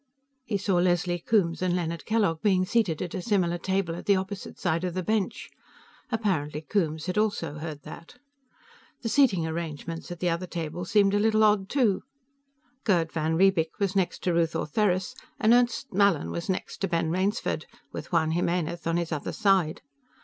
He saw Leslie Coombes and Leonard Kellogg being seated at a similar table at the opposite side of the bench. Apparently Coombes had also heard that. The seating arrangements at the other tables seemed a little odd too. Gerd van Riebeek was next to Ruth Ortheris, and Ernst Mallin was next to Ben Rainsford, with Juan Jimenez on his other side.